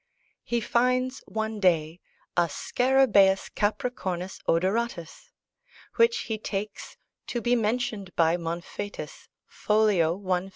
He finds one day "a Scarabaus capricornus odoratus," which he takes "to be mentioned by Monfetus, folio 150.